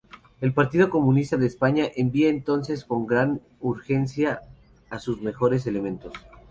El Partido Comunista de España envía entonces con gran urgencia sus mejores elementos.